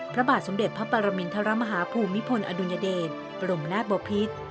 พระบาทสมเด็จพระปรมินทรมาฮาภูมิพลอดุญเดชบรมนาศบพิษ